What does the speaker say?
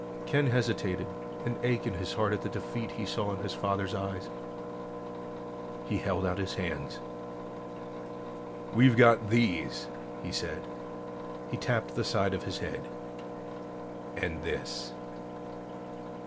Ken hesitated, an ache in his heart at the defeat he saw in his father's eyes. He held out his hands. "We've got these," he said. He tapped the side of his head. "And this."